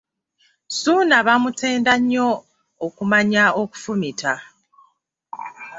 Ssuuna bamutenda nnyo okumanya okufumita.